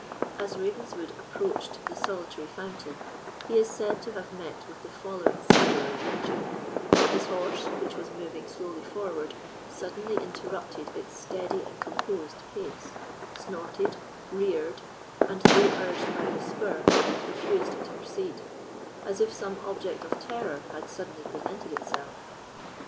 As Ravenswood approached the solitary fountain, he is said to have met with the following singular adventure: His horse, which was moving slowly forward, suddenly interrupted its steady and composed pace, snorted, reared, and, though urged by the spur, refused to proceed, as if some object of terror had suddenly presented itself.